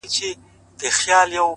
• خپه وې چي وړې ؛ وړې ؛وړې د فريادي وې؛